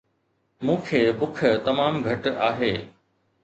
مون کي بک تمام گهٽ آهي